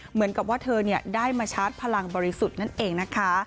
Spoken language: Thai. เหมือนกับว่าเธอได้มาชาร์จพลังบริสุทธิ์นั่นเองนะคะ